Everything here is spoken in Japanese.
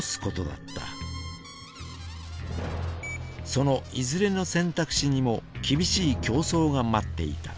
そのいずれの選択肢にも厳しい競争が待っていた。